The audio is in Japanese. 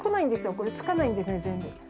これ、つかないんですね、全部。